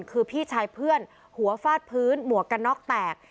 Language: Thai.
คือพี่ชายเพื่อนหัวฟาดพื้นหมวกกันน็อกแตก